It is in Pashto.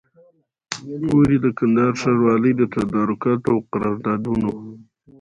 پوري د کندهار ښاروالۍ د تدارکاتو او قراردادونو